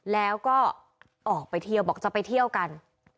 แล้วก็ออกไปเที่ยวบอกจะไปเที่ยวกัน